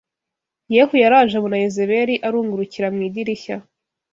Yehu yaraje abona Yezebeli arungurukira mu idirishya